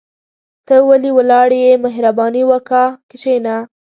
ته ولي ولاړ يى مهرباني وکاه کشينه